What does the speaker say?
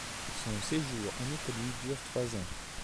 Son séjour en Italie dure trois ans.